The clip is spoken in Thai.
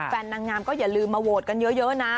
นางงามก็อย่าลืมมาโหวตกันเยอะนะ